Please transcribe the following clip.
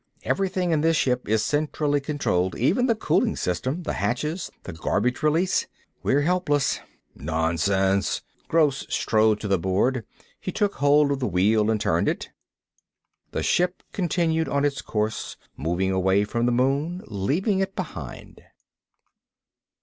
Everything in this ship is centrally controlled, even the cooling system, the hatches, the garbage release. We're helpless." "Nonsense." Gross strode to the board. He took hold of the wheel and turned it. The ship continued on its course, moving away from the moon, leaving it behind.